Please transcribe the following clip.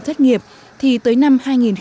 thất nghiệp thì tới năm hai nghìn một mươi năm